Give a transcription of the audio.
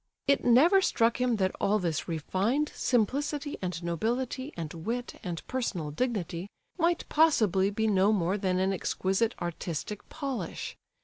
It never struck him that all this refined simplicity and nobility and wit and personal dignity might possibly be no more than an exquisite artistic polish.